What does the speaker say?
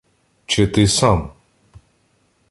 — Чети сам!